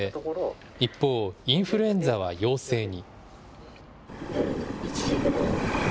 一方、インフルエンザは陽性に。